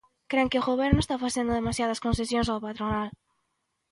Cren que o Goberno está facendo demasiadas concesións á patronal.